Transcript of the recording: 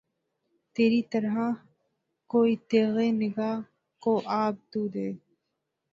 تری طرح کوئی تیغِ نگہ کو آب تو دے